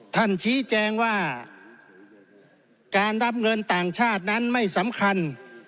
ท่านชี้แจงว่าการรับเงินต่างชาตินั้นไม่สำคัญ